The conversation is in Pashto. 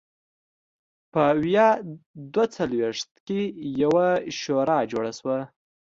په ویا دوه څلوېښت کې یوه شورا جوړه شوه.